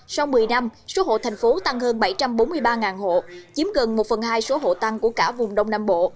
sau một mươi năm số hộ thành phố tăng hơn bảy trăm bốn mươi ba hộ chiếm gần một phần hai số hộ tăng của cả vùng đông nam bộ